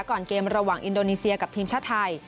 ก่อนเกมระหว่างอินโดนีเซียกับทีมชาติไทย